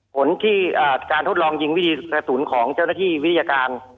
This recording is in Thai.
ผลที่การทดลองยิงวิธีกระสุนของเจ้าหน้าที่วิทยาการ